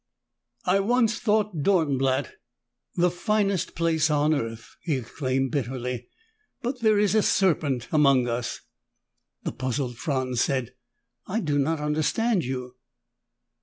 "I once thought Dornblatt the finest place on earth!" he exclaimed bitterly. "But there is a serpent among us!" The puzzled Franz said, "I do not understand you."